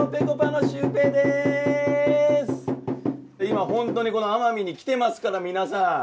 今本当にこの奄美に来てますから皆さん。